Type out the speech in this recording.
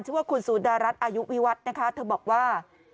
ชื่อว่าคุณสุดารัฐอายุวิวัฒน์นะคะเธอบอกว่า